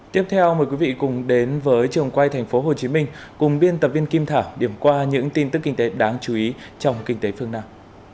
tiếp theo mời quý vị cùng đến với trường quay tp hcm cùng biên tập viên kim thảo điểm qua những tin tức kinh tế đáng chú ý trong kinh tế phương nam